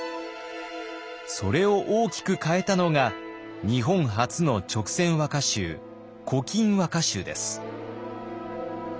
それを大きく変えたのが日本初の勅撰和歌集「古今和歌集」です。